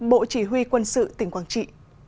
bộ chỉ huy quân sự tỉnh quảng trị